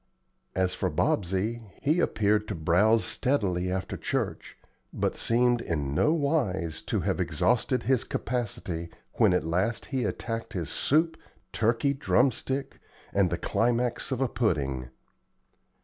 As for Bobsey, he appeared to browse steadily after church, but seemed in no wise to have exhausted his capacity when at last he attacked his soup, turkey drum stick, and the climax of a pudding.